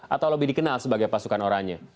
atau lebih dikenal sebagai pasukan orangnya